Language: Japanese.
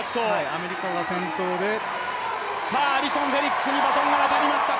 アメリカが先頭でアリソン・フェリックスにバトンが渡りました